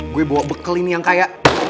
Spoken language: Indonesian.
gue bawa bekal ini yang kaya